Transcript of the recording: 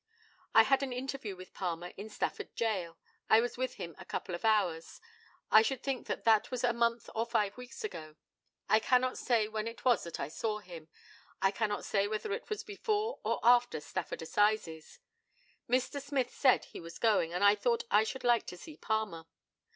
I had an interview with Palmer in Stafford Gaol. I was with him a couple of hours. I should think that that was a month or five weeks ago. I cannot say when it was that I saw him. I cannot say whether it was before or after Stafford Assizes. Mr. Smith said he was going, and I thought I should like to see Palmer.